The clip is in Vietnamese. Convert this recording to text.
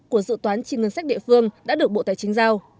của dự toán chi ngân sách địa phương đã được bộ tài chính giao